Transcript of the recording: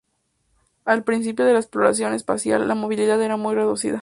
Al principio de la exploración espacial la movilidad era muy reducida.